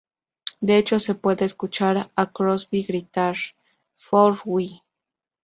De hecho, se puede escuchar a Crosby gritar "Four, why?